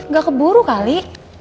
nggak keburu kali